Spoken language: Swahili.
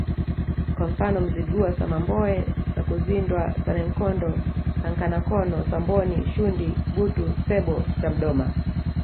kwa mfano Mzigua Samamboe Sakuzindwa Sannenkondo Sankanakono Samboni Shundi Butu Sebbo Chamdoma